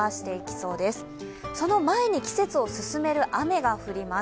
その前に季節を進める雨が降ります。